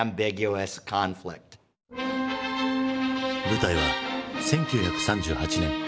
舞台は１９３８年